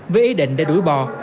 với ý định để đuổi bò